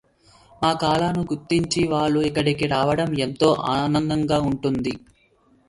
మా కళను గుర్తించి వాళ్ళు ఇక్కడికి రావడం ఎంతో ఆనందంగా ఉంటుంది.